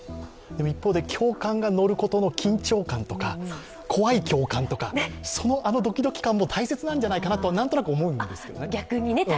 一方で、教官が乗ることの緊張感とか怖い教官とかあのドキドキ感も大切なんじゃないかなとなんとなく思うんですね。